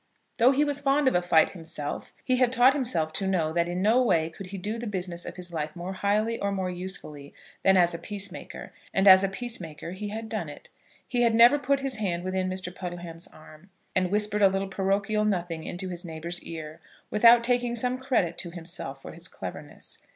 Though he was fond of a fight himself, he had taught himself to know that in no way could he do the business of his life more highly or more usefully than as a peacemaker; and as a peacemaker he had done it. He had never put his hand within Mr. Puddleham's arm, and whispered a little parochial nothing into his neighbour's ear, without taking some credit to himself for his cleverness.